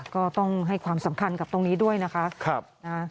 ก็ต้องให้ความสำคัญกับตรงนี้ด้วยนะคะ